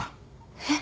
えっ？